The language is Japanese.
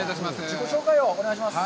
自己紹介をお願いします。